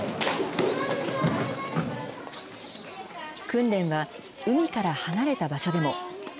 訓練は海から離れた場所でも。